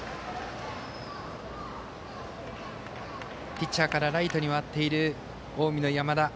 ピッチャーからライトに回っている近江の山田。